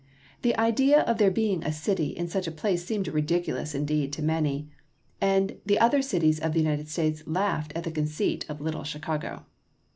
The idea of there being a city in such a place seemed ridicu lous indeed to many, and the other cities of the United States laughed at the conceit of little Chicago.